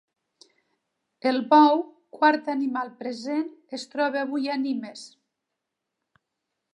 El bou, quart animal present, es troba avui a Nimes.